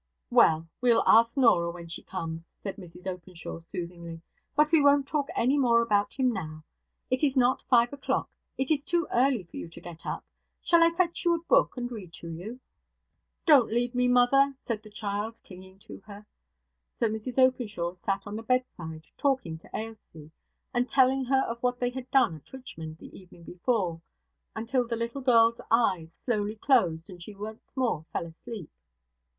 'Well! we will ask Norah when she comes,' said Mrs Openshaw, soothingly. 'But we won't talk any more about him now. It is not five o'clock; it is too early for you to get up. Shall I fetch you a book and read to you?' 'Don't leave me, mother,' said the child, clinging to her. So Mrs Openshaw sat on the bedside talking to Ailsie, and telling her of what they had done at Richmond the evening before, until the little girl's eyes slowly closed and she once more fell asleep.